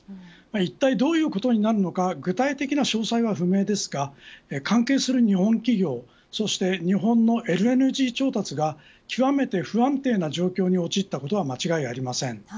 いったいどういうことになるのか具体的な詳細は不明ですが関係する日本企業そして日本のＬＮＧ調達が極めて不安定な状況に陥ったことは間違いありません。